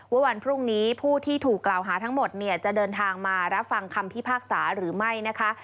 วันพรุ่งนี้ผู้ที่ถูกกล่าวหาทั้งหมดเนี่ยจะเดินทางมารับฟังคำพิพากษาหรือไม่นะคะ